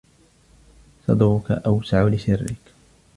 صدرك أوسع لسرك